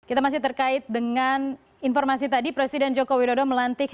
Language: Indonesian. kita masih terkait dengan informasi tadi presiden joko widodo melantik